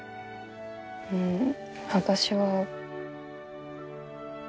うん私は。